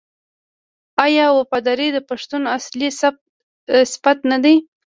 آیا وفاداري د پښتون اصلي صفت نه دی؟